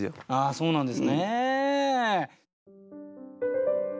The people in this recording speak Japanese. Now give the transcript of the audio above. そうなんですね！